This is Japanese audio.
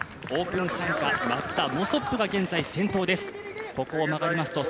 オープン参加のモソップが現在、先頭です。